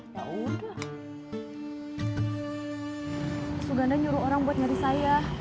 pak suganda nyuruh orang buat nyari saya